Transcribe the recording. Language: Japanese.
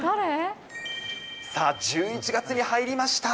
さあ、１１月に入りました。